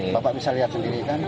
bapak bisa lihat sendiri kan